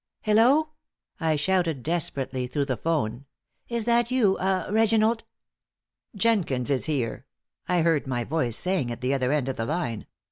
"Hello!" I shouted, desperately, through the 'phone. "Is that you ah Reginald?" "Jenkins is here." I heard my voice saying at the other end of the line.